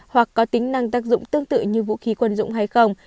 hoặc có tính năng tác dụng tương tự như vũ khí quân dụng hay không